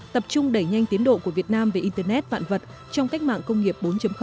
tập trung đẩy nhanh tiến độ của việt nam về internet vạn vật trong cách mạng công nghiệp bốn